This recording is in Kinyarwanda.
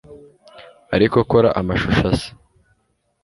Ariko kora amashusho asa